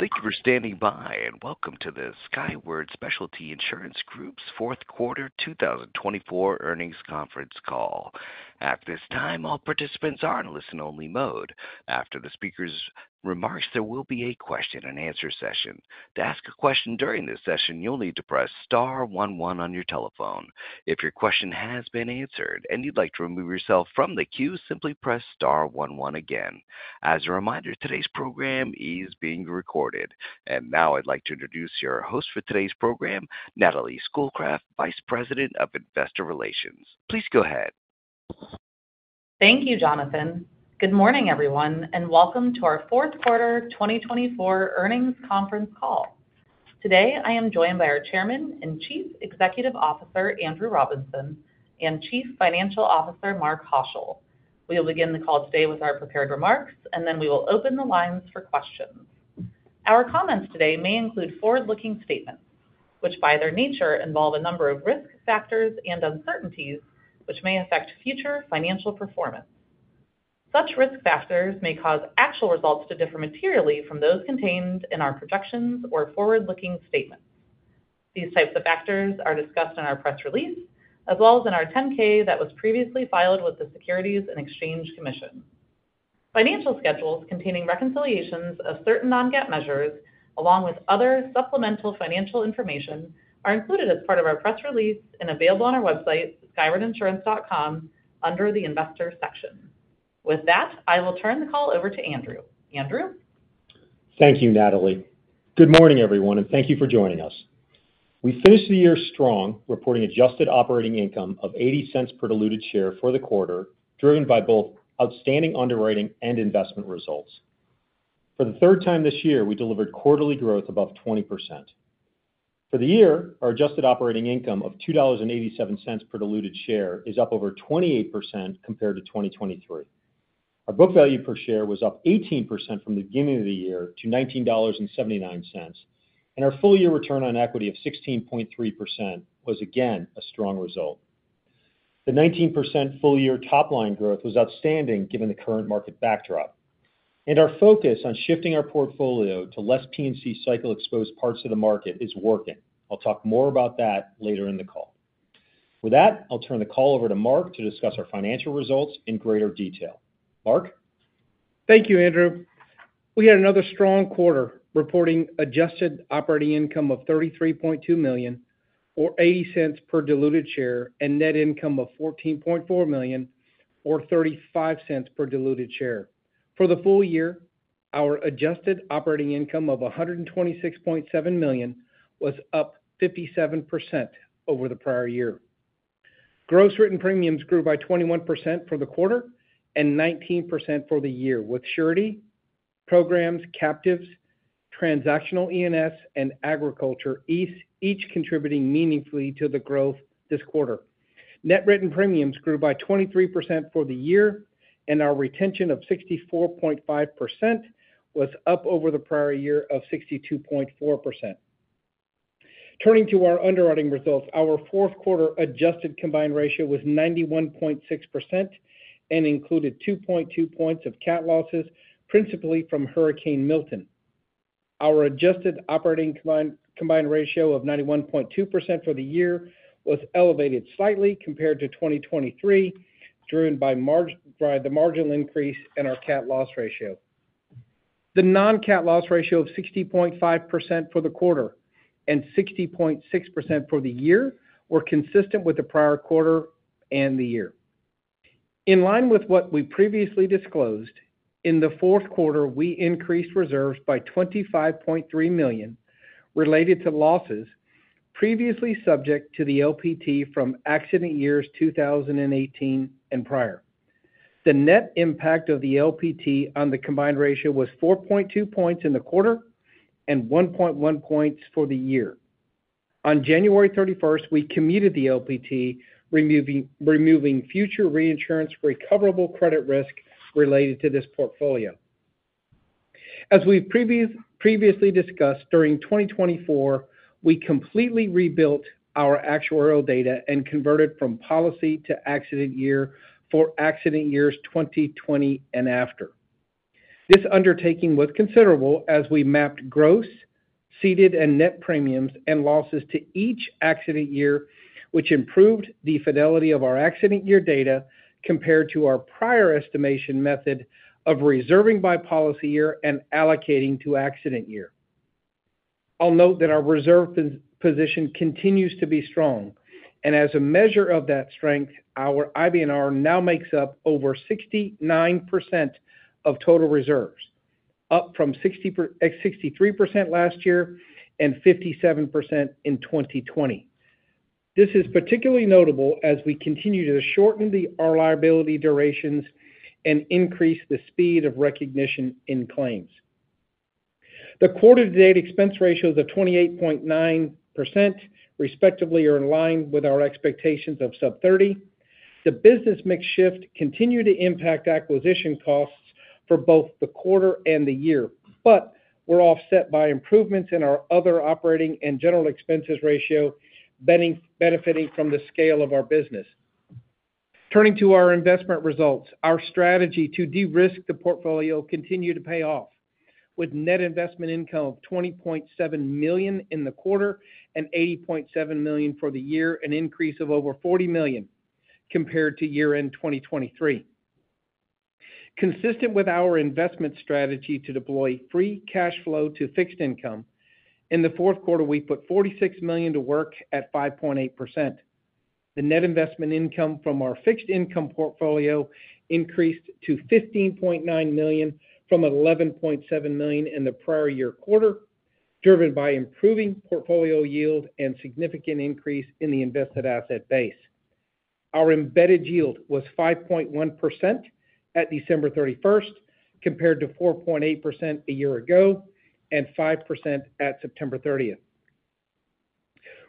Thank you for standing by, and welcome to the Skyward Specialty Insurance Group's Fourth Quarter 2024 Earnings Conference Call. At this time, all participants are in listen-only mode. After the speaker's remarks, there will be a question-and-answer session. To ask a question during this session, you'll need to press star 11 on your telephone. If your question has been answered and you'd like to remove yourself from the queue, simply press Star One One again. As a reminder, today's program is being recorded. And now I'd like to introduce your host for today's program, Natalie Schoolcraft, Vice President of Investor Relations. Please go ahead. Thank you, Jonathan. Good morning, everyone, and welcome to our Fourth Quarter 2024 Earnings Conference Call. Today, I am joined by our Chairman and Chief Executive Officer Andrew Robinson and Chief Financial Officer Mark Haushill. We will begin the call today with our prepared remarks, and then we will open the lines for questions. Our comments today may include forward-looking statements, which by their nature involve a number of risk factors and uncertainties which may affect future financial performance. Such risk factors may cause actual results to differ materially from those contained in our projections or forward-looking statements. These types of factors are discussed in our press release, as well as in our 10-K that was previously filed with the Securities and Exchange Commission. Financial schedules containing reconciliations of certain non-GAAP measures, along with other supplemental financial information, are included as part of our press release and available on our website, skywardinsurance.com, under the Investor section. With that, I will turn the call over to Andrew. Andrew. Thank you, Natalie. Good morning, everyone, and thank you for joining us. We finished the year strong, reporting adjusted operating income of $0.80 per diluted share for the quarter, driven by both outstanding underwriting and investment results. For the third time this year, we delivered quarterly growth above 20%. For the year, our adjusted operating income of $2.87 per diluted share is up over 28% compared to 2023. Our book value per share was up 18% from the beginning of the year to $19.79, and our full-year return on equity of 16.3% was again a strong result. The 19% full-year top-line growth was outstanding given the current market backdrop, and our focus on shifting our portfolio to less P&C cycle-exposed parts of the market is working. I'll talk more about that later in the call. With that, I'll turn the call over to Mark to discuss our financial results in greater detail. Mark. Thank you, Andrew. We had another strong quarter, reporting adjusted operating income of $33.2 million, or $0.80 per diluted share, and net income of $14.4 million, or $0.35 per diluted share. For the full year, our adjusted operating income of $126.7 million was up 57% over the prior year. Gross written premiums grew by 21% for the quarter and 19% for the year, with Surety, Programs, Captives, Transactional E&S, and Agriculture each contributing meaningfully to the growth this quarter. Net written premiums grew by 23% for the year, and our retention of 64.5% was up over the prior year of 62.4%. Turning to our underwriting results, our fourth-quarter adjusted combined ratio was 91.6% and included 2.2 points of CAT losses, principally from Hurricane Milton. Our adjusted operating combined ratio of 91.2% for the year was elevated slightly compared to 2023, driven by the marginal increase in our CAT loss ratio. The non-cat loss ratio of 60.5% for the quarter and 60.6% for the year were consistent with the prior quarter and the year. In line with what we previously disclosed, in the fourth quarter, we increased reserves by $25.3 million related to losses previously subject to the LPT from accident years 2018 and prior. The net impact of the LPT on the combined ratio was 4.2 points in the quarter and 1.1 points for the year. On January 31st, we commuted the LPT, removing future reinsurance recoverable credit risk related to this portfolio. As we've previously discussed, during 2024, we completely rebuilt our actuarial data and converted from policy to accident year for accident years 2020 and after. This undertaking was considerable as we mapped gross, ceded, and net premiums and losses to each accident year, which improved the fidelity of our accident year data compared to our prior estimation method of reserving by policy year and allocating to accident year. I'll note that our reserve position continues to be strong, and as a measure of that strength, our IBNR now makes up over 69% of total reserves, up from 63% last year and 57% in 2020. This is particularly notable as we continue to shorten our liability durations and increase the speed of recognition in claims. The quarter-to-date expense ratios of 28.9%, respectively, are in line with our expectations of sub-30. The business mix shift continued to impact acquisition costs for both the quarter and the year, but we're offset by improvements in our other operating and general expenses ratio, benefiting from the scale of our business. Turning to our investment results, our strategy to de-risk the portfolio continued to pay off, with net investment income of $20.7 million in the quarter and $80.7 million for the year, an increase of over $40 million compared to year-end 2023. Consistent with our investment strategy to deploy free cash flow to fixed income, in the fourth quarter, we put $46 million to work at 5.8%. The net investment income from our fixed income portfolio increased to $15.9 million from $11.7 million in the prior year quarter, driven by improving portfolio yield and significant increase in the invested asset base. Our embedded yield was 5.1% at December 31st compared to 4.8% a year ago and 5% at September 30th.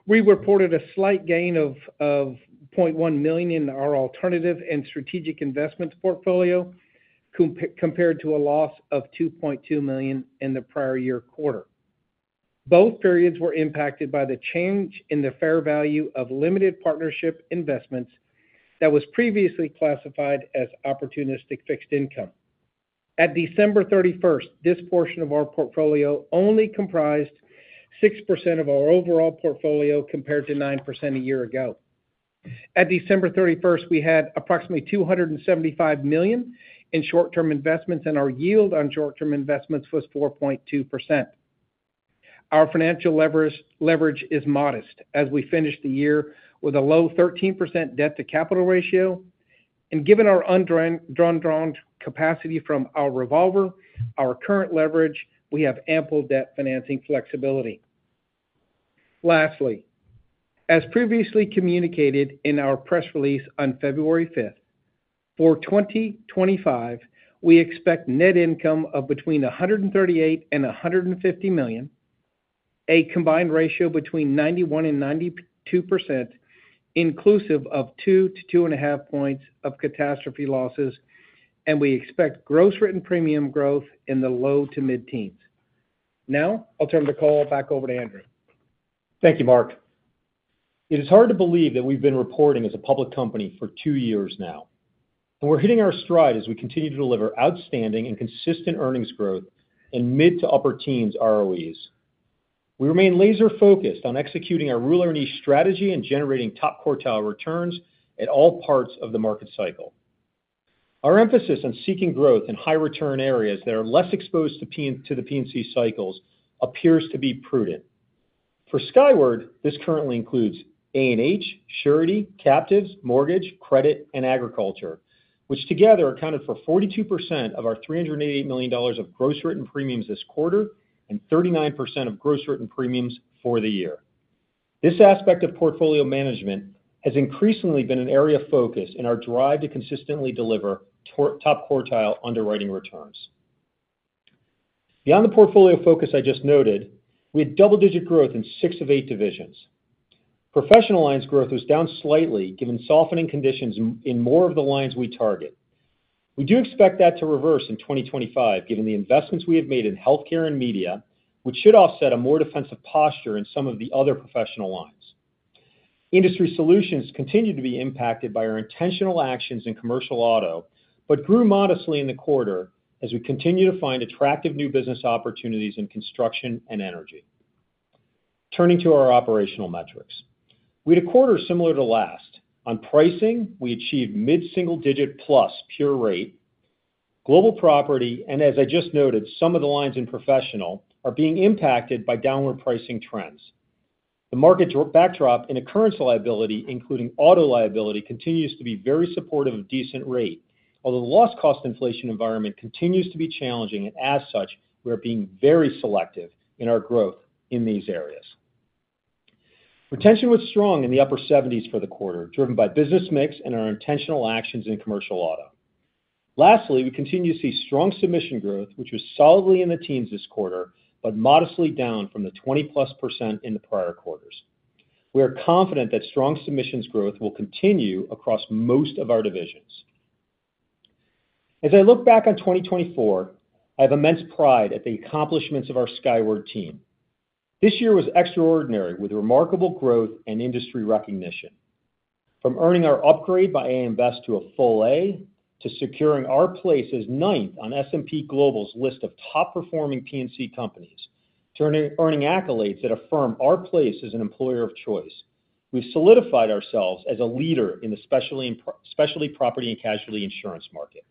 We reported a slight gain of $0.1 million in our alternative and strategic investments portfolio compared to a loss of $2.2 million in the prior year quarter. Both periods were impacted by the change in the fair value of limited partnership investments that was previously classified as opportunistic fixed income. At December 31st, this portion of our portfolio only comprised 6% of our overall portfolio compared to 9% a year ago. At December 31st, we had approximately $275 million in short-term investments, and our yield on short-term investments was 4.2%. Our financial leverage is modest as we finished the year with a low 13% debt-to-capital ratio, and given our undrawn capacity from our revolver, our current leverage, we have ample debt financing flexibility. Lastly, as previously communicated in our press release on February 5th, for 2025, we expect net income of between $138 million and $150 million, a combined ratio between 91% and 92%, inclusive of 2 to 2.5 points of catastrophe losses, and we expect gross written premium growth in the low to mid-teens. Now, I'll turn the call back over to Andrew. Thank you, Mark. It is hard to believe that we've been reporting as a public company for two years now, and we're hitting our stride as we continue to deliver outstanding and consistent earnings growth in mid to upper teens ROEs. We remain laser-focused on executing our Rule Your Niche strategy and generating top quartile returns at all parts of the market cycle. Our emphasis on seeking growth in high-return areas that are less exposed to the P&C cycles appears to be prudent. For Skyward, this currently includes A&H, Surety, Captives, Mortgage, Credit, and Agriculture, which together accounted for 42% of our $388 million of gross written premiums this quarter and 39% of gross written premiums for the year. This aspect of portfolio management has increasingly been an area of focus in our drive to consistently deliver top quartile underwriting returns. Beyond the portfolio focus I just noted, we had double-digit growth in six of eight divisions. Professional Lines growth was down slightly given softening conditions in more of the lines we target. We do expect that to reverse in 2025 given the investments we have made in Healthcare and Media, which should offset a more defensive posture in some of the other professional lines. Industry Solutions continue to be impacted by our intentional actions in Commercial Auto, but grew modestly in the quarter as we continue to find attractive new business opportunities in Commercial Auto and Energy. Turning to our operational metrics, we had a quarter similar to last. On pricing, we achieved mid-single-digit plus pure rate. Global Property, and as I just noted, some of the lines in professional, are being impacted by downward pricing trends. The market backdrop in occurrence liability, including auto liability, continues to be very supportive of decent rate, although the loss-cost inflation environment continues to be challenging, and as such, we are being very selective in our growth in these areas. Retention was strong in the upper 70s for the quarter, driven by business mix and our intentional actions in Commercial Auto. Lastly, we continue to see strong submission growth, which was solidly in the teens this quarter, but modestly down from the 20-plus% in the prior quarters. We are confident that strong submissions growth will continue across most of our divisions. As I look back on 2024, I have immense pride at the accomplishments of our Skyward team. This year was extraordinary with remarkable growth and industry recognition. From earning our upgrade by AM Best to a full A, to securing our place as ninth on S&P Global's list of top-performing P&C companies, earning accolades that affirm our place as an employer of choice, we've solidified ourselves as a leader in the specialty property and casualty insurance market.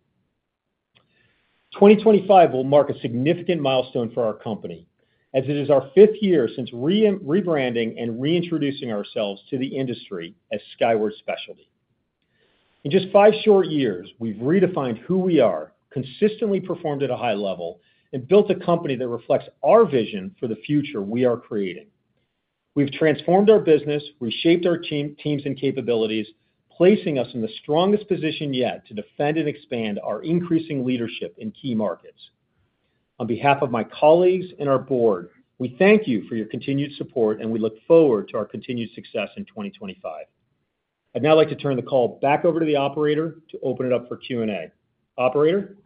2025 will mark a significant milestone for our company as it is our fifth year since rebranding and reintroducing ourselves to the industry as Skyward Specialty. In just five short years, we've redefined who we are, consistently performed at a high level, and built a company that reflects our vision for the future we are creating. We've transformed our business, reshaped our teams and capabilities, placing us in the strongest position yet to defend and expand our increasing leadership in key markets. On behalf of my colleagues and our board, we thank you for your continued support, and we look forward to our continued success in 2025. I'd now like to turn the call back over to the operator to open it up for Q&A. Operator?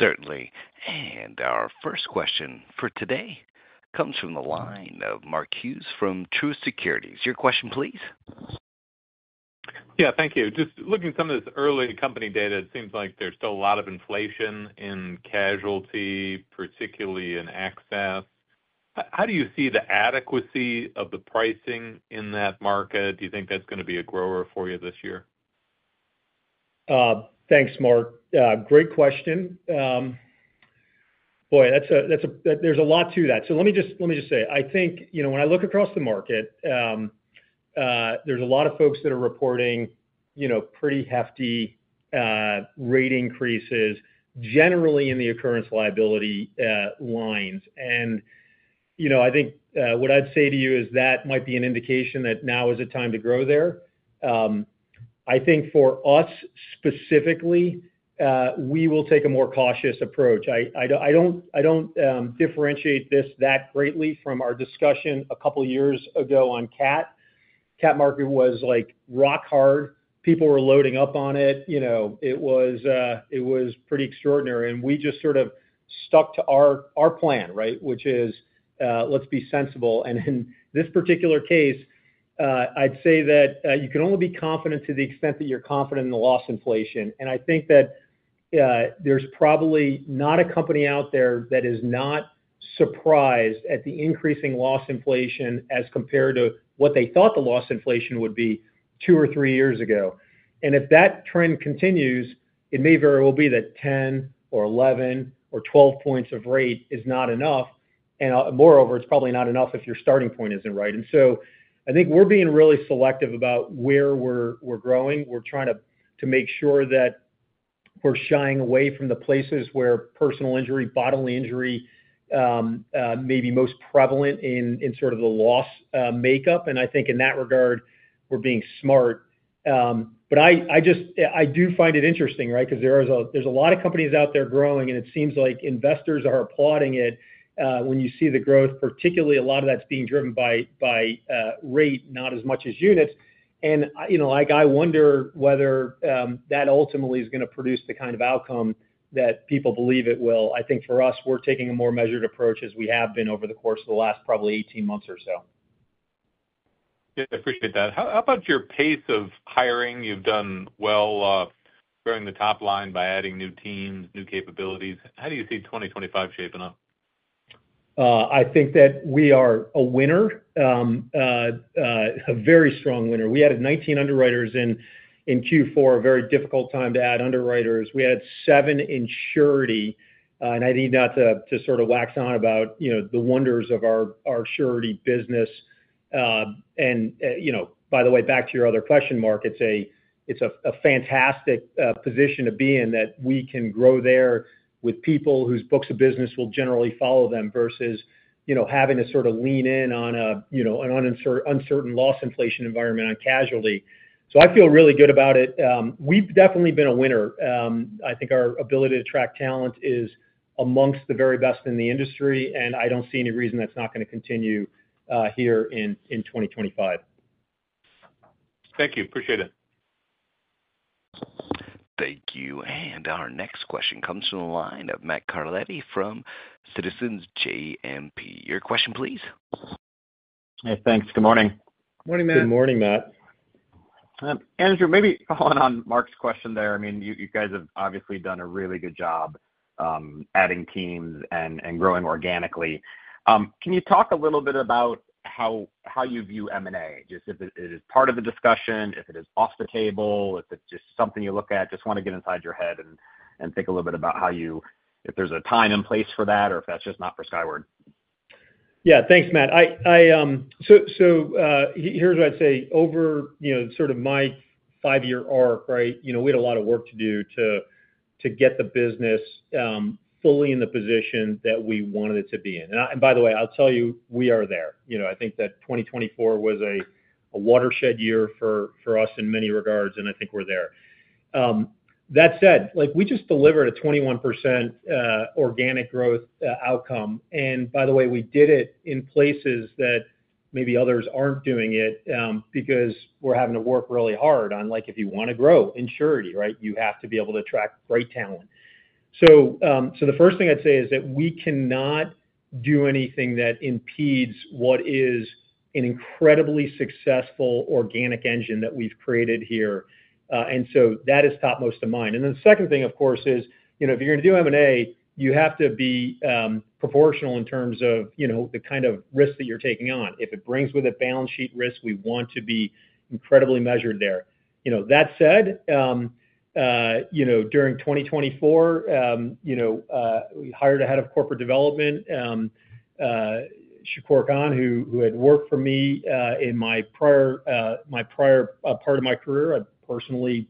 Certainly, and our first question for today comes from the line of Mark Hughes from Truist Securities. Your question, please. Yeah, thank you. Just looking at some of this early company data, it seems like there's still a lot of inflation in casualty, particularly in excess. How do you see the adequacy of the pricing in that market? Do you think that's going to be a grower for you this year? Thanks, Mark. Great question. Boy, there's a lot to that, so let me just say, I think when I look across the market, there's a lot of folks that are reporting pretty hefty rate increases, generally in the occurrence liability lines, and I think what I'd say to you is that might be an indication that now is a time to grow there. I think for us specifically, we will take a more cautious approach. I don't differentiate this that greatly from our discussion a couple of years ago on CAT. CAT market was rock hard. People were loading up on it. It was pretty extraordinary, and we just sort of stuck to our plan, right, which is let's be sensible, and in this particular case, I'd say that you can only be confident to the extent that you're confident in the loss inflation. And I think that there's probably not a company out there that is not surprised at the increasing loss inflation as compared to what they thought the loss inflation would be two or three years ago. And if that trend continues, it may very well be that 10 or 11 or 12 points of rate is not enough. And moreover, it's probably not enough if your starting point isn't right. And so I think we're being really selective about where we're growing. We're trying to make sure that we're shying away from the places where personal injury, bodily injury may be most prevalent in sort of the loss makeup. And I think in that regard, we're being smart. But I do find it interesting, right, because there's a lot of companies out there growing, and it seems like investors are applauding it when you see the growth, particularly a lot of that's being driven by rate, not as much as units. And I wonder whether that ultimately is going to produce the kind of outcome that people believe it will. I think for us, we're taking a more measured approach as we have been over the course of the last probably 18 months or so. Yeah, I appreciate that. How about your pace of hiring? You've done well growing the top line by adding new teams, new capabilities. How do you see 2025 shaping up? I think that we are a winner, a very strong winner. We had 19 underwriters in Q4, a very difficult time to add underwriters. We had seven in Surety. And I need not to sort of wax on about the wonders of our Surety business. And by the way, back to your other question, Mark, it's a fantastic position to be in that we can grow there with people whose books of business will generally follow them versus having to sort of lean in on an uncertain loss inflation environment on casualty. So I feel really good about it. We've definitely been a winner. I think our ability to attract talent is amongst the very best in the industry, and I don't see any reason that's not going to continue here in 2025. Thank you. Appreciate it. Thank you, and our next question comes from the line of Matt Carletti from Citizens JMP. Your question, please. Hey, thanks. Good morning. Good morning, Matt. Good morning, Matt. Andrew, maybe following on Mark's question there, I mean, you guys have obviously done a really good job adding teams and growing organically. Can you talk a little bit about how you view M&A? Just if it is part of the discussion, if it is off the table, if it's just something you look at, just want to get inside your head and think a little bit about how you, if there's a time and place for that, or if that's just not for Skyward. Yeah, thanks, Matt. So here's what I'd say. Over sort of my five-year arc, right, we had a lot of work to do to get the business fully in the position that we wanted it to be in. And by the way, I'll tell you, we are there. I think that 2024 was a watershed year for us in many regards, and I think we're there. That said, we just delivered a 21% organic growth outcome. And by the way, we did it in places that maybe others aren't doing it because we're having to work really hard on, like, if you want to grow in Surety, right, you have to be able to attract great talent. So the first thing I'd say is that we cannot do anything that impedes what is an incredibly successful organic engine that we've created here. And so that is topmost of mind. And then the second thing, of course, is if you're going to do M&A, you have to be proportional in terms of the kind of risk that you're taking on. If it brings with it balance sheet risk, we want to be incredibly measured there. That said, during 2024, we hired a head of corporate development, Shakoor Khan, who had worked for me in my prior part of my career. I personally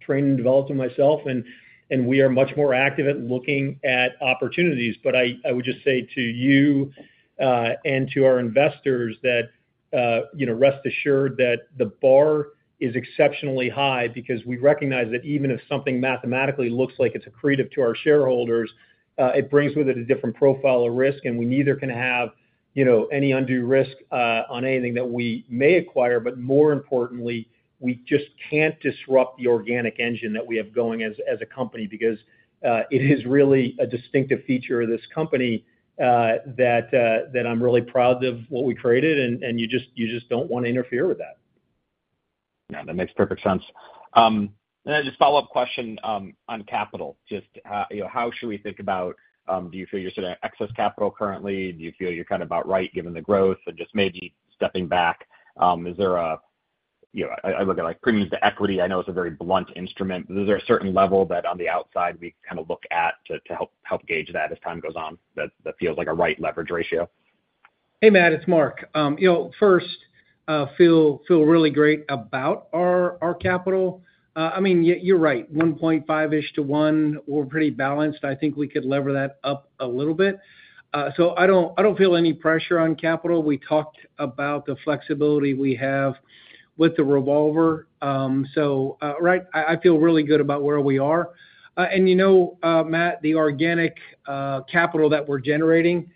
trained and developed myself, and we are much more active at looking at opportunities. But I would just say to you and to our investors that rest assured that the bar is exceptionally high because we recognize that even if something mathematically looks like it's accretive to our shareholders, it brings with it a different profile of risk, and we neither can have any undue risk on anything that we may acquire. But more importantly, we just can't disrupt the organic engine that we have going as a company because it is really a distinctive feature of this company that I'm really proud of what we created, and you just don't want to interfere with that. Yeah, that makes perfect sense. And then just follow-up question on capital. Just how should we think about, do you feel you're sort of excess capital currently? Do you feel you're kind of about right given the growth and just maybe stepping back? Is there a, I look at it like premiums to equity. I know it's a very blunt instrument, but is there a certain level that on the outside we kind of look at to help gauge that as time goes on that feels like a right leverage ratio? Hey, Matt, it's Mark. First, I feel really great about our capital. I mean, you're right. 1.5-ish to 1, we're pretty balanced. I think we could lever that up a little bit. So I don't feel any pressure on capital. We talked about the flexibility we have with the revolver. So, right, I feel really good about where we are. And you know, Matt, the organic capital that we're generating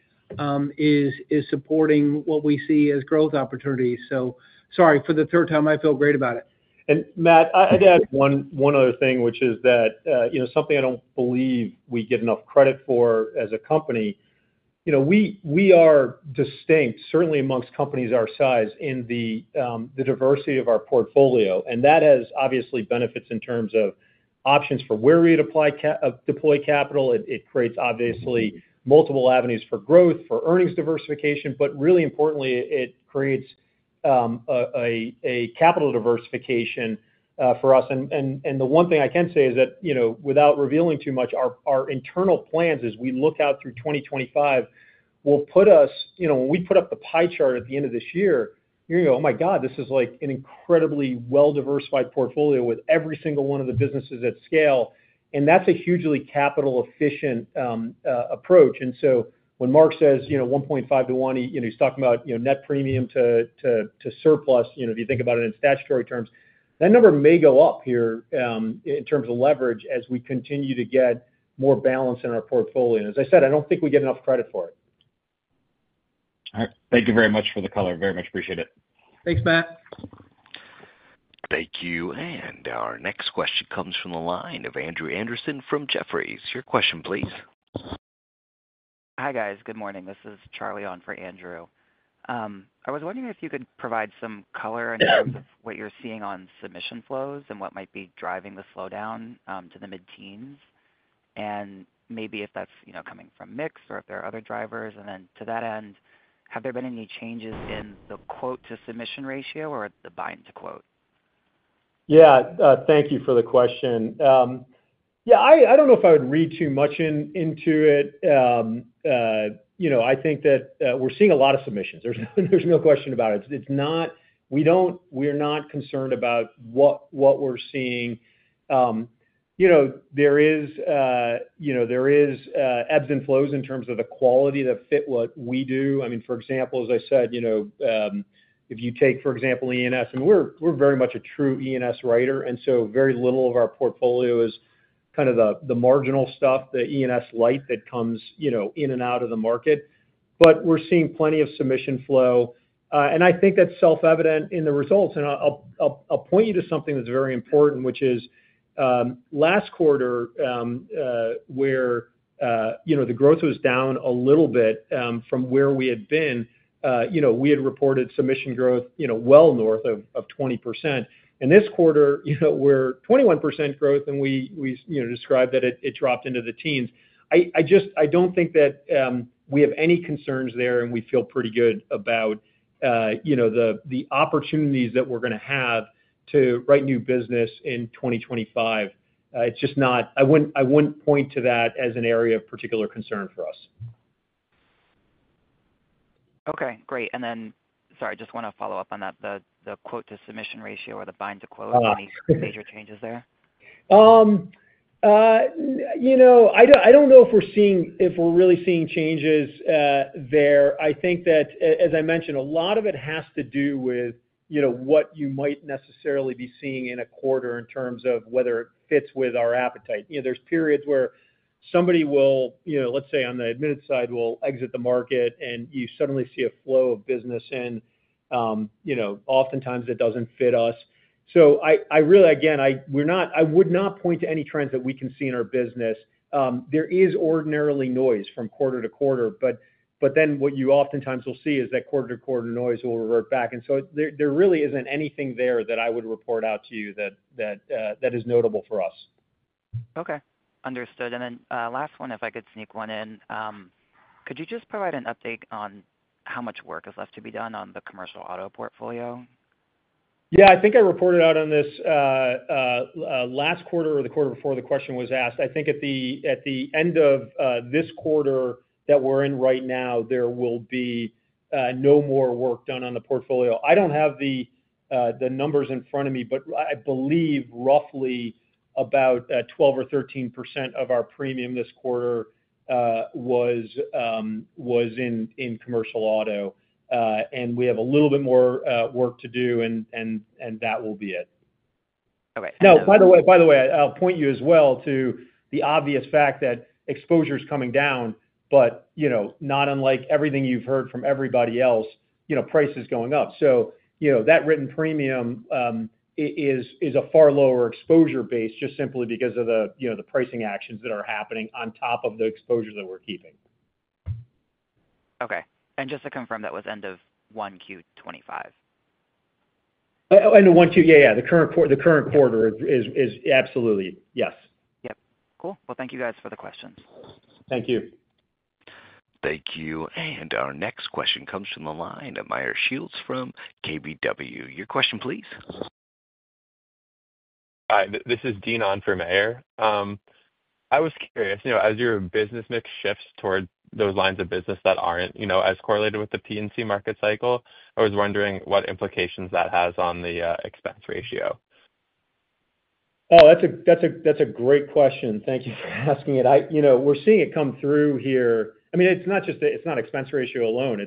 is supporting what we see as growth opportunities. So sorry for the third time. I feel great about it. And Matt, I'd add one other thing, which is that something I don't believe we get enough credit for as a company. We are distinct, certainly among companies our size, in the diversity of our portfolio. And that has obviously benefits in terms of options for where we deploy capital. It creates, obviously, multiple avenues for growth, for earnings diversification, but really importantly, it creates a capital diversification for us. The one thing I can say is that without revealing too much, our internal plans as we look out through 2025 will put us, when we put up the pie chart at the end of this year, you're going to go, "Oh my God, this is like an incredibly well-diversified portfolio with every single one of the businesses at scale." That's a hugely capital-efficient approach. So when Mark says 1.5 to 1, he's talking about net premium to surplus. If you think about it in statutory terms, that number may go up here in terms of leverage as we continue to get more balance in our portfolio. As I said, I don't think we get enough credit for it. All right. Thank you very much for the color. Very much appreciate it. Thanks, Matt. Thank you. And our next question comes from the line of Andrew Andersen from Jefferies. Your question, please. Hi guys. Good morning. This is Charlie on for Andrew. I was wondering if you could provide some color in terms of what you're seeing on submission flows and what might be driving the slowdown to the mid-teens. And maybe if that's coming from mix or if there are other drivers. And then to that end, have there been any changes in the quote-to-submission ratio or the bind-to-quote? Yeah, thank you for the question. Yeah, I don't know if I would read too much into it. I think that we're seeing a lot of submissions. There's no question about it. We are not concerned about what we're seeing. There is ebbs and flows in terms of the quality that fit what we do. I mean, for example, as I said, if you take, for example, E&S, and we're very much a true E&S writer, and so very little of our portfolio is kind of the marginal stuff, the E&S light that comes in and out of the market. But we're seeing plenty of submission flow. And I think that's self-evident in the results. And I'll point you to something that's very important, which is last quarter where the growth was down a little bit from where we had been. We had reported submission growth well north of 20%. And this quarter, we're 21% growth, and we described that it dropped into the teens. I don't think that we have any concerns there, and we feel pretty good about the opportunities that we're going to have to write new business in 2025. It's just not—I wouldn't point to that as an area of particular concern for us. Okay, great, and then, sorry, I just want to follow up on that. The quote-to-submission ratio or the bind-to-quote, any major changes there? I don't know if we're really seeing changes there. I think that, as I mentioned, a lot of it has to do with what you might necessarily be seeing in a quarter in terms of whether it fits with our appetite. There's periods where somebody will, let's say on the admitted side, will exit the market, and you suddenly see a flow of business. And oftentimes, it doesn't fit us. So I really, again, I would not point to any trends that we can see in our business. There is ordinarily noise from quarter to quarter, but then what you oftentimes will see is that quarter to quarter noise will revert back. And so there really isn't anything there that I would report out to you that is notable for us. Okay, understood. And then last one, if I could sneak one in, could you just provide an update on how much work is left to be done on the Commercial Auto portfolio? Yeah, I think I reported out on this last quarter or the quarter before the question was asked. I think at the end of this quarter that we're in right now, there will be no more work done on the portfolio. I don't have the numbers in front of me, but I believe roughly about 12 or 13% of our premium this quarter was in Commercial Auto, and we have a little bit more work to do, and that will be it. Okay. Now, by the way, I'll point you as well to the obvious fact that exposure is coming down, but not unlike everything you've heard from everybody else, price is going up. So that written premium is a far lower exposure base just simply because of the pricing actions that are happening on top of the exposure that we're keeping. Okay, and just to confirm, that was end of 1Q25? End of 1Q, yeah, yeah. The current quarter is absolutely, yes. Yep. Cool. Well, thank you guys for the questions. Thank you. Thank you. And our next question comes from the line of Meyer Shields from KBW. Your question, please. Hi, this is Dean on for Meyer. I was curious, as your business mix shifts toward those lines of business that aren't as correlated with the P&C market cycle, I was wondering what implications that has on the expense ratio? Oh, that's a great question. Thank you for asking it. We're seeing it come through here. I mean, it's not expense ratio alone.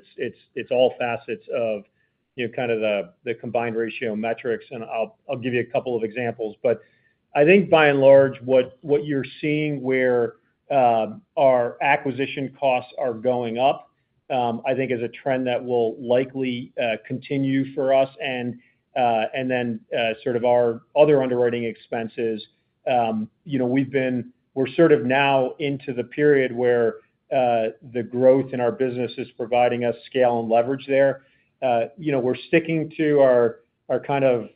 It's all facets of kind of the combined ratio metrics. And I'll give you a couple of examples. But I think by and large, what you're seeing where our acquisition costs are going up, I think is a trend that will likely continue for us. And then sort of our other underwriting expenses, we're sort of now into the period where the growth in our business is providing us scale and leverage there. We're sticking to our kind of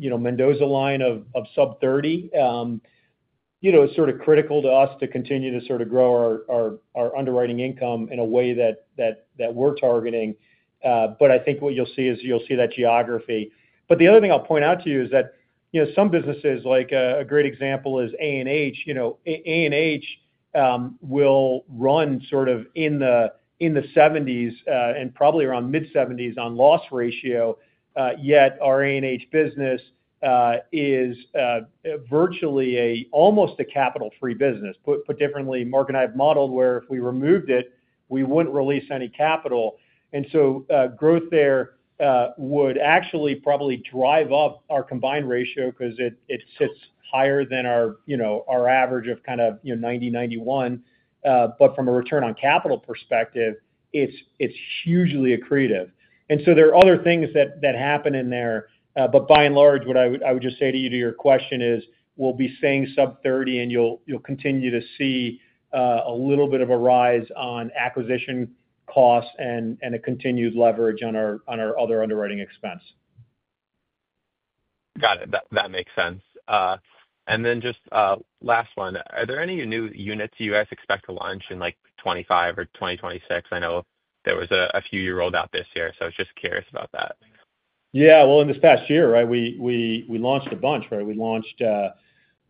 Mendoza Line of sub 30. It's sort of critical to us to continue to sort of grow our underwriting income in a way that we're targeting. But I think what you'll see is you'll see that geography. But the other thing I'll point out to you is that some businesses, like a great example is A&H. A&H will run sort of in the 70s% and probably around mid-70s% on loss ratio. Yet our A&H business is virtually almost a capital-free business. Put differently, Mark and I have modeled where if we removed it, we wouldn't release any capital. And so growth there would actually probably drive up our combined ratio because it sits higher than our average of kind of 90%-91%. But from a return on capital perspective, it's hugely accretive. And so there are other things that happen in there. But by and large, what I would just say to you to your question is we'll be seeing sub-30%, and you'll continue to see a little bit of a rise on acquisition costs and a continued leverage on our other underwriting expense. Got it. That makes sense. And then just last one, are there any new units you guys expect to launch in like 2025 or 2026? I know there was a few rolled out this year, so I was just curious about that. Yeah. Well, in this past year, right, we launched a bunch, right? We launched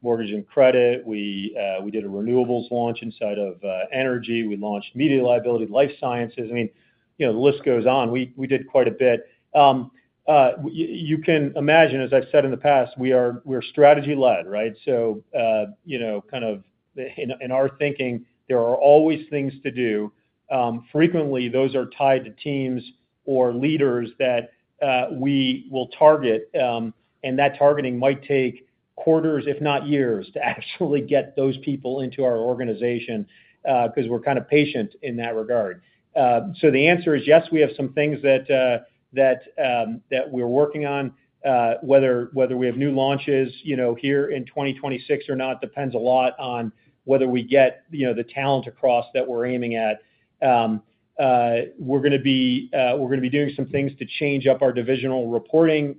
Mortgage and Credit. We did a Renewables launch inside of Energy. We launched Media Liability, Life Sciences. I mean, the list goes on. We did quite a bit. You can imagine, as I've said in the past, we're strategy-led, right? So kind of in our thinking, there are always things to do. Frequently, those are tied to teams or leaders that we will target. And that targeting might take quarters, if not years, to actually get those people into our organization because we're kind of patient in that regard. So the answer is yes, we have some things that we're working on. Whether we have new launches here in 2026 or not depends a lot on whether we get the talent across that we're aiming at. We're going to be doing some things to change up our divisional reporting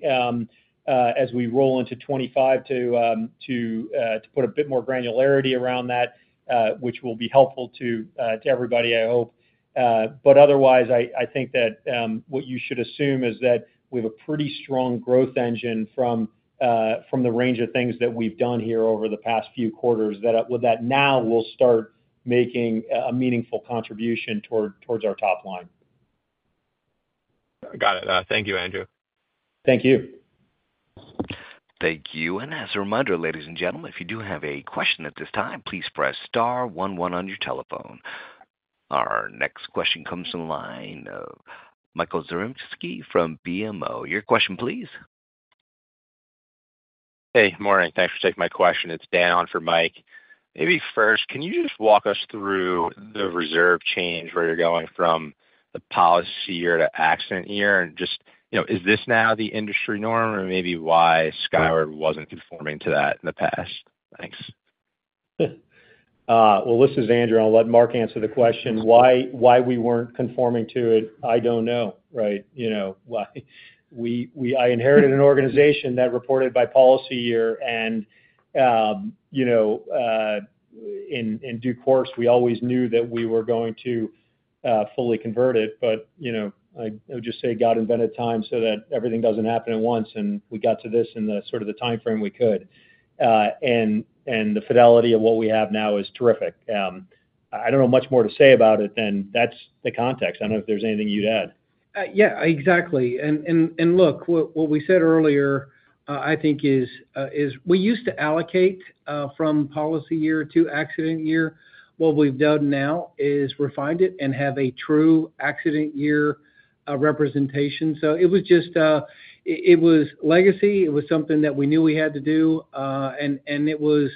as we roll into 2025 to put a bit more granularity around that, which will be helpful to everybody, I hope, but otherwise, I think that what you should assume is that we have a pretty strong growth engine from the range of things that we've done here over the past few quarters that now will start making a meaningful contribution towards our top line. Got it. Thank you, Andrew. Thank you. Thank you. And as a reminder, ladies and gentlemen, if you do have a question at this time, please press star one one on your telephone. Our next question comes from the line of Michael Zaremski from BMO. Your question, please. Hey, morning. Thanks for taking my question. It's Dan on for Mike. Maybe first, can you just walk us through the reserve change where you're going from the policy year to accident year? And just, is this now the industry norm, or maybe why Skyward wasn't conforming to that in the past? Thanks. This is Andrew. I'll let Mark answer the question. Why we weren't conforming to it, I don't know, right? I inherited an organization that reported by policy year. And in due course, we always knew that we were going to fully convert it. But I would just say God invented time so that everything doesn't happen at once. And we got to this in the sort of timeframe we could. And the fidelity of what we have now is terrific. I don't know much more to say about it than that's the context. I don't know if there's anything you'd add. Yeah, exactly. And look, what we said earlier, I think, is we used to allocate from policy year to accident year. What we've done now is refined it and have a true accident year representation. So it was just legacy. It was something that we knew we had to do. And it was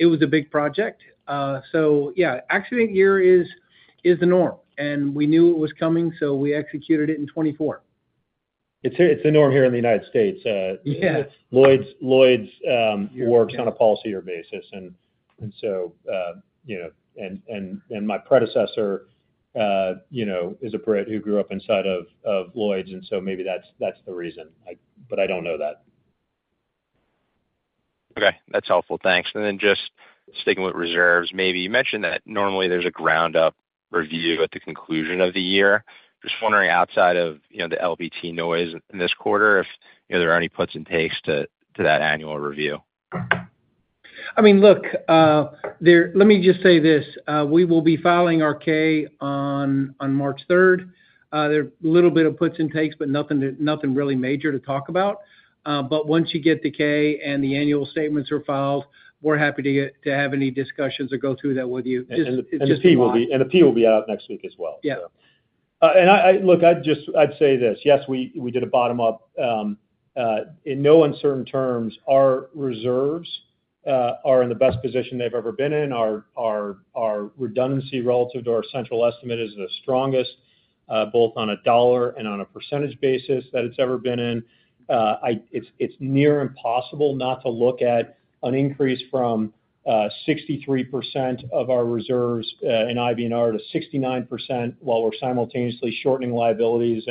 a big project. So yeah, accident year is the norm. And we knew it was coming, so we executed it in 2024. It's the norm here in the United States. Yeah. Lloyd's works on a policy year basis, and so my predecessor is a Brit who grew up inside of Lloyd's, and so maybe that's the reason, but I don't know that. Okay. That's helpful. Thanks. And then just sticking with reserves, maybe you mentioned that normally there's a ground-up review at the conclusion of the year. Just wondering outside of the LPT noise in this quarter if there are any puts and takes to that annual review? I mean, look, let me just say this. We will be filing our K on March 3rd. There's a little bit of puts and takes, but nothing really major to talk about. But once you get the K and the annual statements are filed, we're happy to have any discussions or go through that with you. The P will be out next week as well, so. Yeah. And look, I'd say this. Yes, we did a bottom-up in no uncertain terms. Our reserves are in the best position they've ever been in. Our redundancy relative to our central estimate is the strongest, both on a dollar and on a percentage basis that it's ever been in. It's near impossible not to look at an increase from 63% of our reserves in IBNR to 69% while we're simultaneously shortening liabilities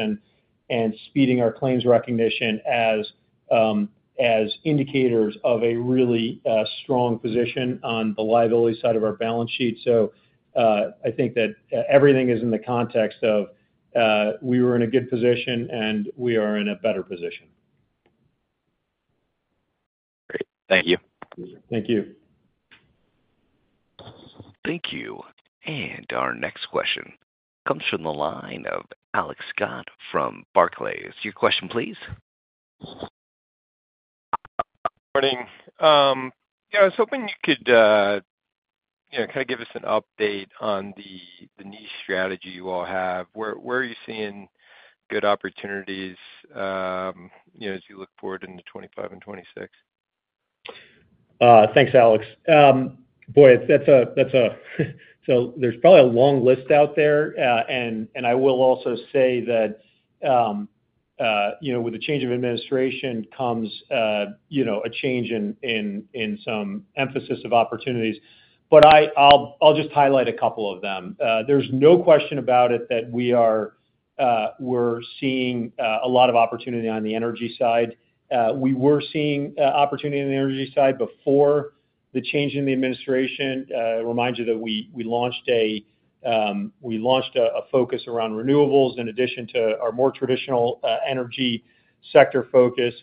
and speeding our claims recognition as indicators of a really strong position on the liability side of our balance sheet. So I think that everything is in the context of we were in a good position, and we are in a better position. Great. Thank you. Thank you. Thank you. And our next question comes from the line of Alex Scott from Barclays. Your question, please. Good morning. Yeah, I was hoping you could kind of give us an update on the niche strategy you all have. Where are you seeing good opportunities as you look forward into 2025 and 2026? Thanks, Alex. Boy, that's—so there's probably a long list out there. And I will also say that with the change of administration comes a change in some emphasis of opportunities. But I'll just highlight a couple of them. There's no question about it that we're seeing a lot of opportunity on the Energy side. We were seeing opportunity on the Energy side before the change in the administration. I remind you that we launched a focus around Renewables in addition to our more traditional Energy sector focus.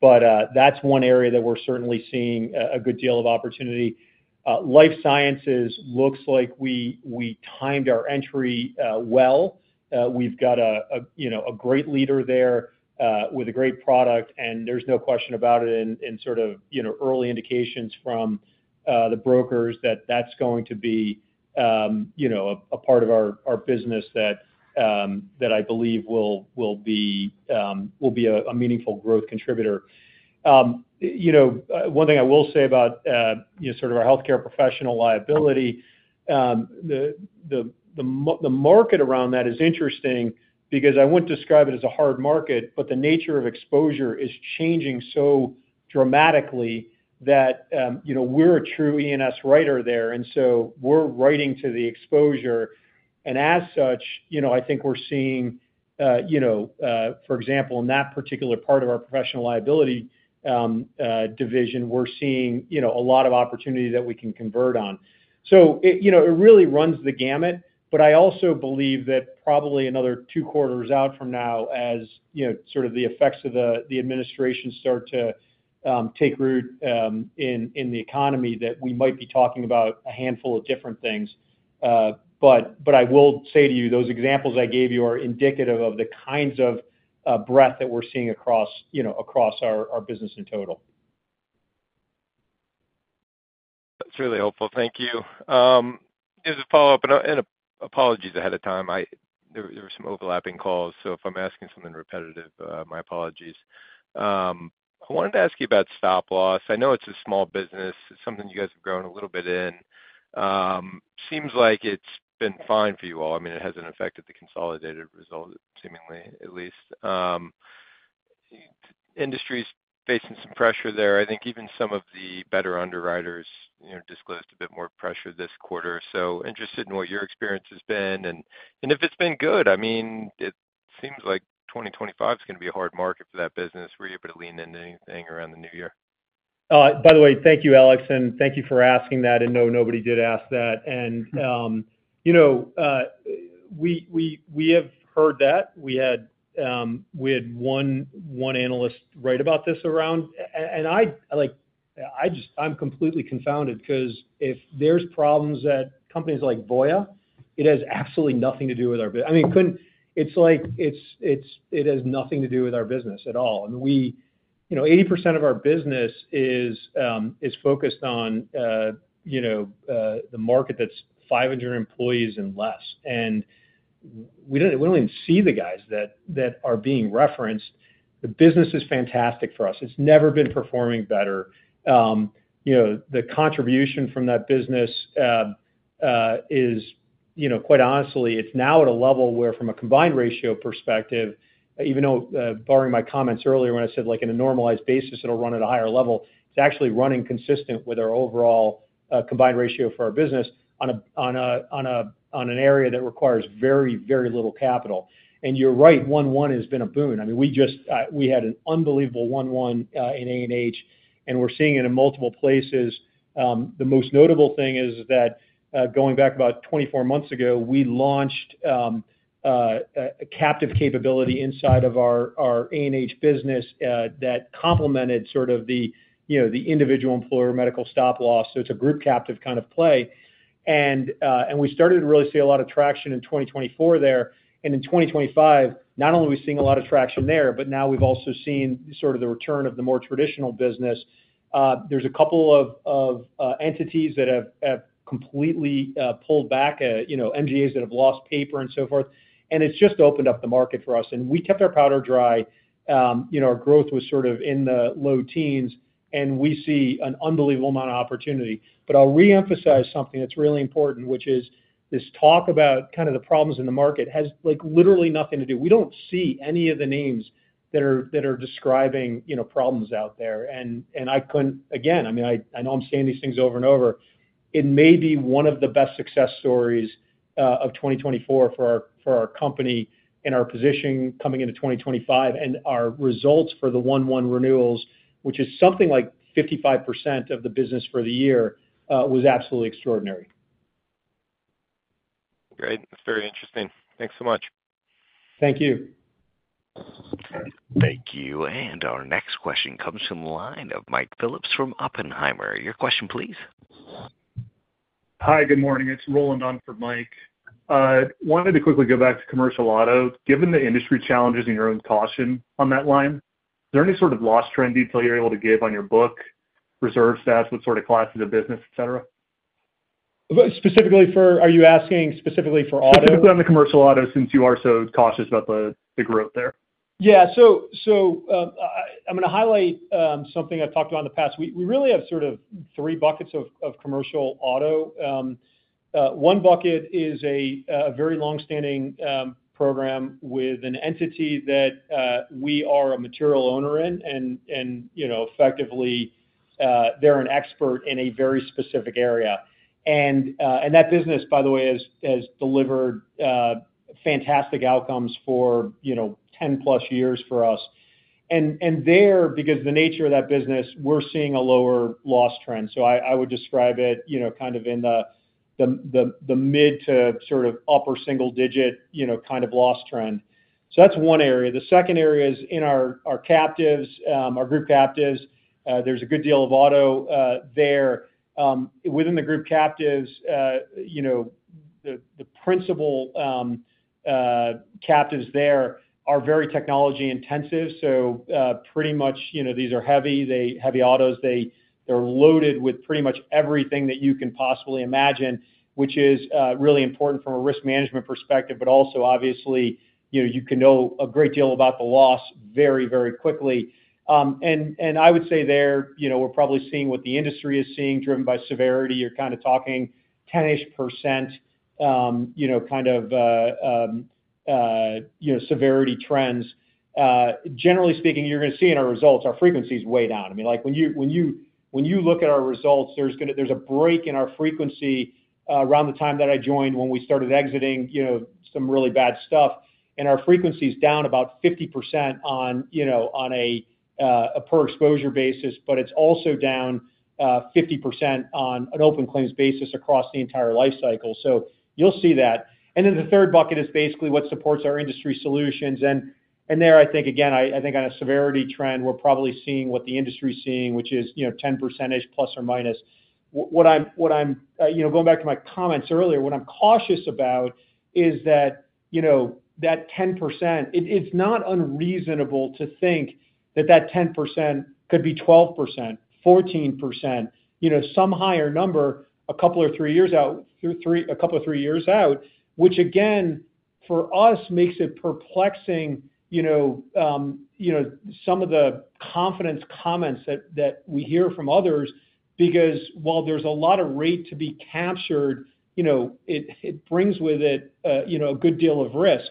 But that's one area that we're certainly seeing a good deal of opportunity. Life Sciences looks like we timed our entry well. We've got a great leader there with a great product. And there's no question about it in sort of early indications from the brokers that that's going to be a part of our business that I believe will be a meaningful growth contributor. One thing I will say about sort of our healthcare professional liability, the market around that is interesting because I wouldn't describe it as a hard market, but the nature of exposure is changing so dramatically that we're a true E&S writer there. And so we're writing to the exposure. And as such, I think we're seeing, for example, in that particular part of our professional liability division, we're seeing a lot of opportunity that we can convert on. So it really runs the gamut. But I also believe that probably another two quarters out from now, as sort of the effects of the administration start to take root in the economy, that we might be talking about a handful of different things. But I will say to you, those examples I gave you are indicative of the kinds of breadth that we're seeing across our business in total. That's really helpful. Thank you. Just a follow-up, and apologies ahead of time. There were some overlapping calls. So if I'm asking something repetitive, my apologies. I wanted to ask you about stop loss. I know it's a small business. It's something you guys have grown a little bit in. Seems like it's been fine for you all. I mean, it hasn't affected the consolidated result, seemingly, at least. Industry's facing some pressure there. I think even some of the better underwriters disclosed a bit more pressure this quarter. So interested in what your experience has been. And if it's been good, I mean, it seems like 2025 is going to be a hard market for that business. Were you able to lean into anything around the new year? By the way, thank you, Alex. And thank you for asking that. And no, nobody did ask that. And we have heard that. We had one analyst write about this around. And I'm completely confounded because if there's problems at companies like Voya, it has absolutely nothing to do with our business. I mean, it's like it has nothing to do with our business at all. I mean, 80% of our business is focused on the market that's 500 employees and less. And we don't even see the guys that are being referenced. The business is fantastic for us. It's never been performing better. The contribution from that business is, quite honestly, it's now at a level where, from a combined ratio perspective, even though, barring my comments earlier when I said like on a normalized basis, it'll run at a higher level, it's actually running consistent with our overall combined ratio for our business on an area that requires very, very little capital. And you're right 01/01 has been a boon. I mean, we had an unbelievable 01/01 in A&H, and we're seeing it in multiple places. The most notable thing is that going back about 24 months ago, we launched a captive capability inside of our A&H business that complemented sort of the individual employer medical stop loss. So it's a group captive kind of play. And we started to really see a lot of traction in 2024 there. In 2025, not only are we seeing a lot of traction there, but now we've also seen sort of the return of the more traditional business. There's a couple of entities that have completely pulled back, MGAs that have lost paper and so forth. And it's just opened up the market for us. And we kept our powder dry. Our growth was sort of in the low teens, and we see an unbelievable amount of opportunity. But I'll reemphasize something that's really important, which is this talk about kind of the problems in the market has literally nothing to do. We don't see any of the names that are describing problems out there. And again, I mean, I know I'm saying these things over and over. It may be one of the best success stories of 2024 for our company and our position coming into 2025. Our results for the 01/01 renewals, which is something like 55% of the business for the year, was absolutely extraordinary. Great. Very interesting. Thanks so much. Thank you. Thank you. And our next question comes from the line of Mike Phillips from Oppenheimer. Your question, please. Hi, good morning. It's Roland on for Mike. I wanted to quickly go back to Commercial Auto. Given the industry challenges and your own caution on that line, is there any sort of loss trend detail you're able to give on your book, reserve stats, what sort of classes of business, etc.? Are you asking specifically for auto? Specifically on the Commercial Auto since you are so cautious about the growth there. Yeah. So I'm going to highlight something I've talked about in the past. We really have sort of three buckets of Commercial Auto. One bucket is a very long-standing program with an entity that we are a material owner in. And effectively, they're an expert in a very specific area. And that business, by the way, has delivered fantastic outcomes for 10-plus years for us. And there, because of the nature of that business, we're seeing a lower loss trend. So I would describe it kind of in the mid- to sort of upper single-digit kind of loss trend. So that's one area. The second area is in our Captives, our group Captives. There's a good deal of auto there. Within the group Captives, the principal Captives there are very technology-intensive. So pretty much these are heavy autos. They're loaded with pretty much everything that you can possibly imagine, which is really important from a risk management perspective, but also, obviously, you can know a great deal about the loss very, very quickly. And I would say there we're probably seeing what the industry is seeing driven by severity. You're kind of talking 10-ish% kind of severity trends. Generally speaking, you're going to see in our results, our frequency is way down. I mean, when you look at our results, there's a break in our frequency around the time that I joined when we started exiting some really bad stuff. And our frequency is down about 50% on a per-exposure basis, but it's also down 50% on an open claims basis across the entire life cycle. So you'll see that. And then the third bucket is basically what supports our Industry Solutions. And there, I think, again, I think on a severity trend, we're probably seeing what the industry is seeing, which is 10%-ish, plus or minus. Going back to my comments earlier, what I'm cautious about is that that 10%, it's not unreasonable to think that that 10% could be 12%, 14%, some higher number a couple or three years out, a couple or three years out, which, again, for us, makes it perplexing some of the confidence comments that we hear from others because while there's a lot of rate to be captured, it brings with it a good deal of risk.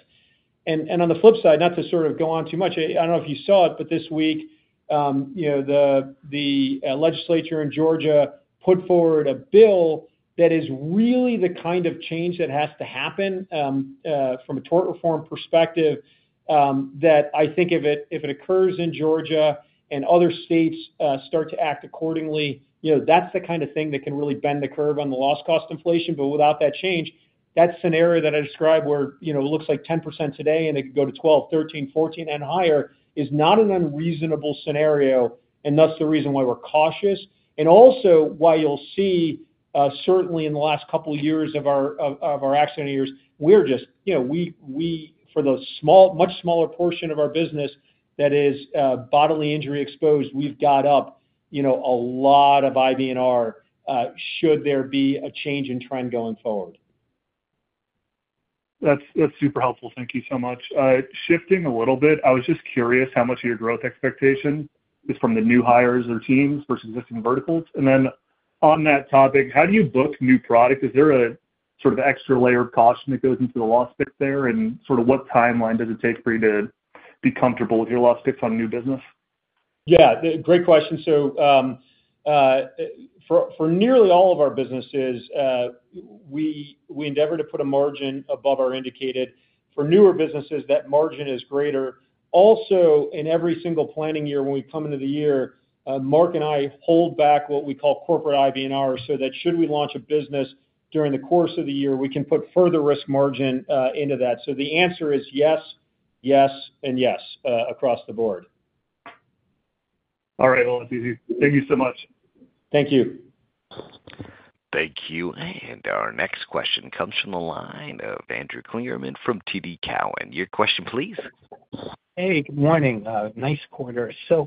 On the flip side, not to sort of go on too much, I don't know if you saw it, but this week, the legislature in Georgia put forward a bill that is really the kind of change that has to happen from a tort reform perspective that I think if it occurs in Georgia and other states start to act accordingly, that's the kind of thing that can really bend the curve on the loss cost inflation. But without that change, that scenario that I described where it looks like 10% today and it could go to 12%, 13%, 14%, and higher is not an unreasonable scenario. That's the reason why we're cautious. And also why you'll see, certainly in the last couple of years of our accident years, we're just, for the much smaller portion of our business that is bodily injury exposed, we've got up a lot of IBNR should there be a change in trend going forward. That's super helpful. Thank you so much. Shifting a little bit, I was just curious how much of your growth expectation is from the new hires or teams versus existing verticals. And then on that topic, how do you book new product? Is there a sort of extra layer of caution that goes into the loss split there? And sort of what timeline does it take for you to be comfortable with your loss split on new business? Yeah. Great question. So for nearly all of our businesses, we endeavor to put a margin above our indicated. For newer businesses, that margin is greater. Also, in every single planning year when we come into the year, Mark and I hold back what we call corporate IBNR so that should we launch a business during the course of the year, we can put further risk margin into that. So the answer is yes, yes, and yes across the board. All right, well, thank you so much. Thank you. Thank you. And our next question comes from the line of Andrew Kligerman from TD Cowen. Your question, please. Hey, good morning. Nice quarter. So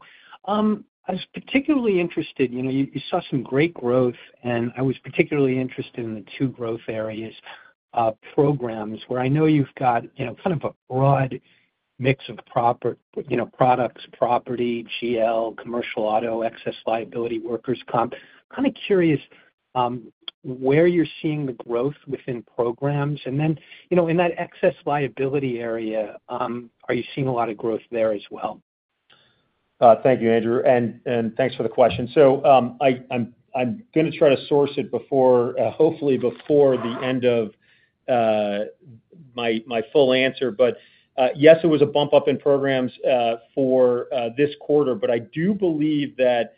I was particularly interested. You saw some great growth, and I was particularly interested in the two growth areas programs where I know you've got kind of a broad mix of products, property, GL, Commercial Auto, excess liability, workers' comp. Kind of curious where you're seeing the growth within programs. And then in that excess liability area, are you seeing a lot of growth there as well? Thank you, Andrew. And thanks for the question. So I'm going to try to source it hopefully before the end of my full answer. But yes, it was a bump up in programs for this quarter, but I do believe that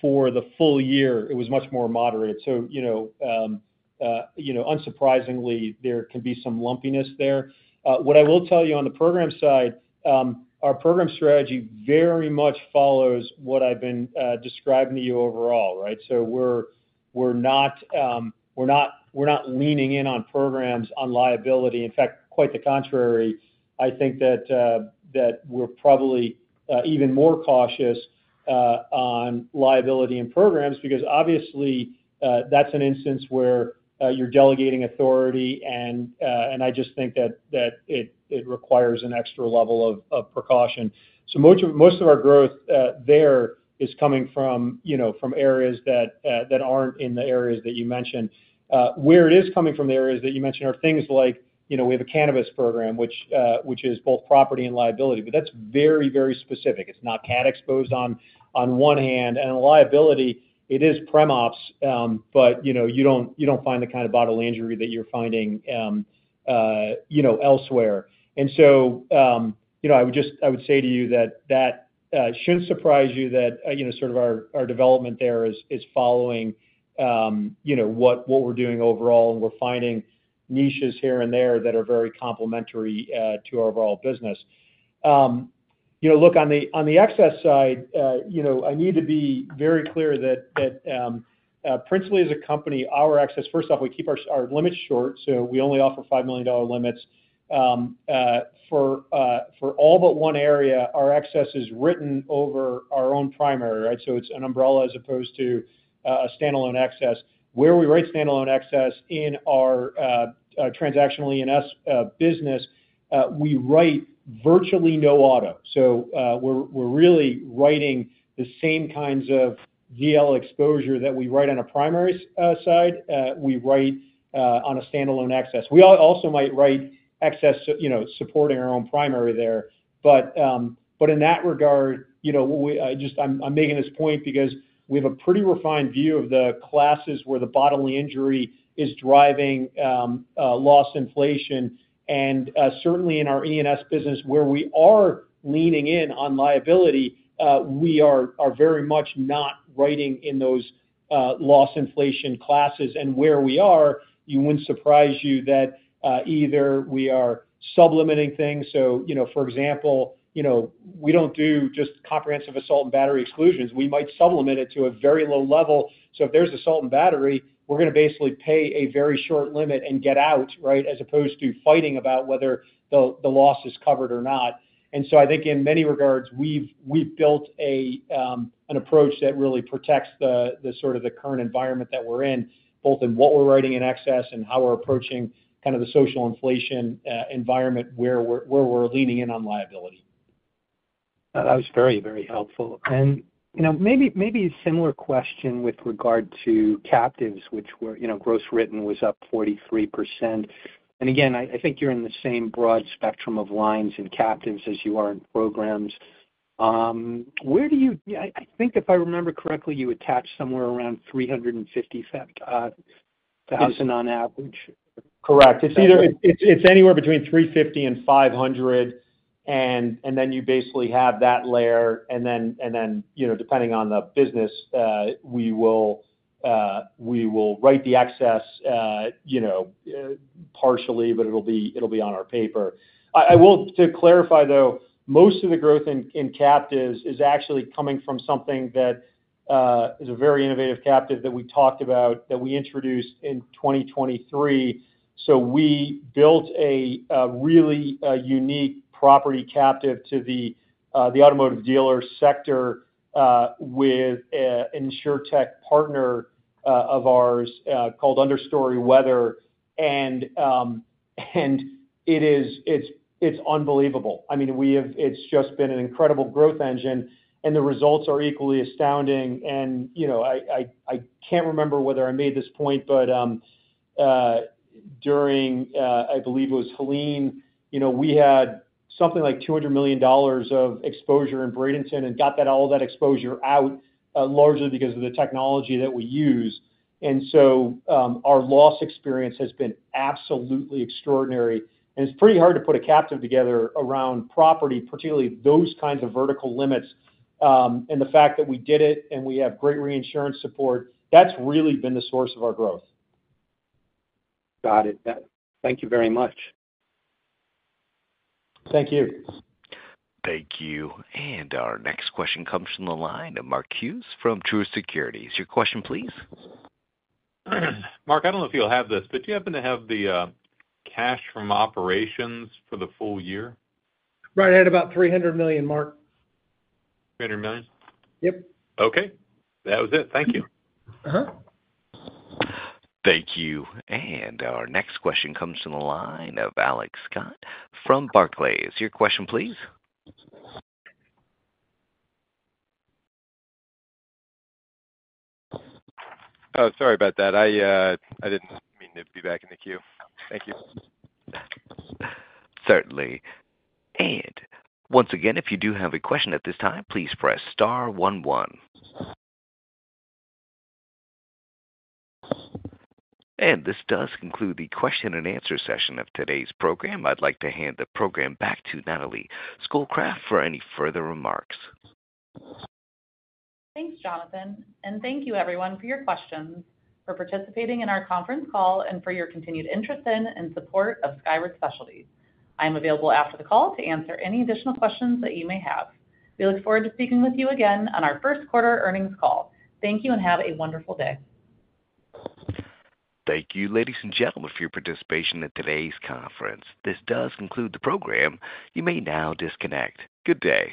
for the full year, it was much more moderate. So unsurprisingly, there can be some lumpiness there. What I will tell you on the program side, our program strategy very much follows what I've been describing to you overall, right? So we're not leaning in on programs on liability. In fact, quite the contrary. I think that we're probably even more cautious on liability and programs because, obviously, that's an instance where you're delegating authority. And I just think that it requires an extra level of precaution. So most of our growth there is coming from areas that aren't in the areas that you mentioned. Where it is coming from, the areas that you mentioned are things like we have a cannabis program, which is both property and liability. But that's very, very specific. It's not CAT exposed on one hand. And liability, it is Prem Ops, but you don't find the kind of bodily injury that you're finding elsewhere. And so I would say to you that that shouldn't surprise you that sort of our development there is following what we're doing overall, and we're finding niches here and there that are very complementary to our overall business. Look, on the excess side, I need to be very clear that principally as a company, our excess, first off, we keep our limits short. So we only offer $5 million limits for all but one area. Our excess is written over our own primary, right? So it's an umbrella as opposed to a standalone excess. Where we write standalone excess in our Transactional E&S business, we write virtually no auto, so we're really writing the same kinds of GL exposure that we write on a primary side. We write on a standalone excess. We also might write excess supporting our own primary there, but in that regard, I'm making this point because we have a pretty refined view of the classes where the bodily injury is driving loss inflation, and certainly in our E&S business, where we are leaning in on liability, we are very much not writing in those loss inflation classes, and where we are, it wouldn't surprise you that either we are sublimiting things, so for example, we don't do just comprehensive assault and battery exclusions. We might sublimit it to a very low level. So if there's assault and battery, we're going to basically pay a very short limit and get out, right, as opposed to fighting about whether the loss is covered or not. And so I think in many regards, we've built an approach that really protects the sort of the current environment that we're in, both in what we're writing in excess and how we're approaching kind of the social inflation environment where we're leaning in on liability. That was very, very helpful, and maybe a similar question with regard to Captives, which, gross written, was up 43%, and again, I think you're in the same broad spectrum of lines in Captives as you are in Programs. Where do you think, if I remember correctly, you attach somewhere around $350,000 on average? Correct. It's anywhere between 350 and 500, and then you basically have that layer, and then depending on the business, we will write the excess partially, but it'll be on our paper. To clarify, though, most of the growth in Captives is actually coming from something that is a very innovative captive that we talked about that we introduced in 2023. So we built a really unique property captive to the automotive dealer sector with an insurtech partner of ours called Understory Weather, and it's unbelievable. I mean, it's just been an incredible growth engine, and the results are equally astounding, and I can't remember whether I made this point, but during, I believe it was Helene, we had something like $200 million of exposure in Bradenton and got all that exposure out largely because of the technology that we use, and so our loss experience has been absolutely extraordinary. And it's pretty hard to put a captive together around property, particularly those kinds of vertical limits. And the fact that we did it and we have great reinsurance support, that's really been the source of our growth. Got it. Thank you very much. Thank you. Thank you, and our next question comes from the line of Mark Hughes from Truist Securities. Is your question, please? Mark, I don't know if you'll have this, but do you happen to have the cash from operations for the full year? Right at about $300 million, Mark. 300 million? Yep. Okay. That was it. Thank you. Thank you. And our next question comes from the line of Alex Scott from Barclays. Is your question, please? Oh, sorry about that. I didn't mean to be back in the queue. Thank you. Certainly. And once again, if you do have a question at this time, please press one one. and this does conclude the question and answer session of today's program. I'd like to hand the program back to Natalie Schoolcraft for any further remarks. Thanks, Jonathan, and thank you, everyone, for your questions, for participating in our conference call, and for your continued interest in and support of Skyward Specialty. I'm available after the call to answer any additional questions that you may have. We look forward to speaking with you again on our first quarter earnings call. Thank you and have a wonderful day. Thank you, ladies and gentlemen, for your participation in today's conference. This does conclude the program. You may now disconnect. Good day.